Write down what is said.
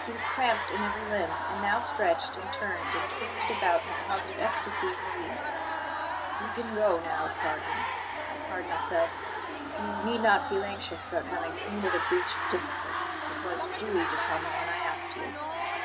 He was cramped in every limb; and now stretched, and turned, and twisted about in a positive ecstasy of relief. "You can go now, sergeant," the Cardinal said. "You need not feel anxious about having committed a breach of discipline; it was your duty to tell me when I asked you.